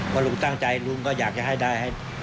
ก็ลุงตั้งใจลุงก็อยากให้ได้